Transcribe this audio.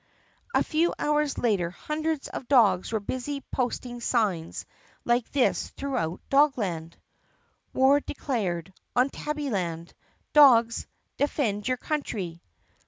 A few hours later hundreds of dogs were busy posting signs like this throughout Dogland : WAR DECLARED ON TABBYLAND! DOGS, DEFEND YOUR COUNTRY!